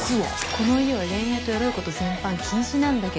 この家は恋愛とエロいこと全般禁止なんだけど？